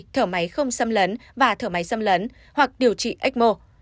thở máy không xâm lấn và thở máy xâm lấn hoặc điều trị ecmo